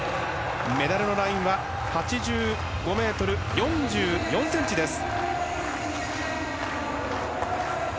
メダルラインは８５ｍ４４ｃｍです。